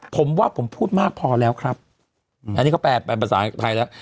ผมว่าผมพูดมากพอแล้วครับอันนี้ก็แปลเป็นภาษาไทยแล้ว